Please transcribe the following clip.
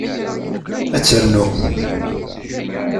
Ad ternum?